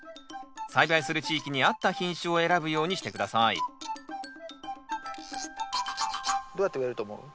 栽培する地域にあった品種を選ぶようにして下さいどうやって植えると思う？